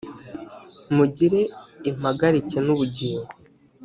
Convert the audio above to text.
mugire impagarike nubingo .